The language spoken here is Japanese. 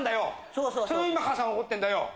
それ母さん怒ってんだよ。